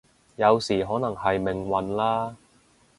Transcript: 有時可能係命運啦